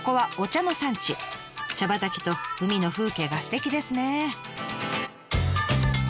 茶畑と海の風景がすてきですね！